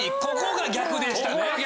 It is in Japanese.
ここが逆でしたね。